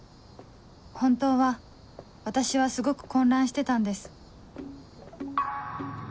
本当は私はすごく混乱してたんです